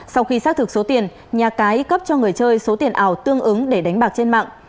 sau khi xác thực số tiền nhà cái cấp cho người chơi số tiền ảo tương ứng để đánh bạc trên mạng